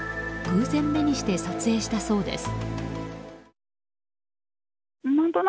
偶然目にして撮影したそうです。